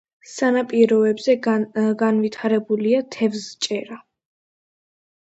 სანაპიროებზე განვითარებულია თევზჭერა.